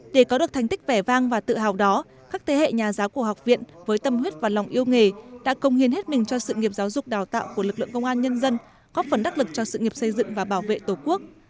để có được thành tích vẻ vang và tự hào đó các thế hệ nhà giáo của học viện với tâm huyết và lòng yêu nghề đã công hiến hết mình cho sự nghiệp giáo dục đào tạo của lực lượng công an nhân dân góp phần đắc lực cho sự nghiệp xây dựng và bảo vệ tổ quốc